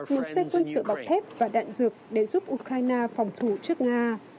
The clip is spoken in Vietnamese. một xe quân sự bọc thép và đạn dược để giúp ukraine phòng thủ trước nga